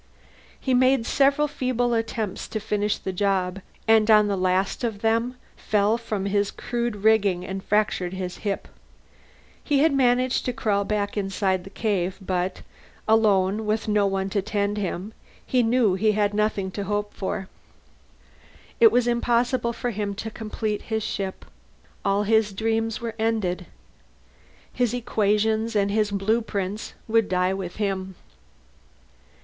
He made several feeble attempts to finish the job, and on the last of them fell from his crude rigging and fractured his hip. He had managed to crawl back inside the cave, but, alone, with no one to tend him, he knew he had nothing to hope for. It was impossible for him to complete his ship. All his dreams were ended. His equations and his blueprints would die with him.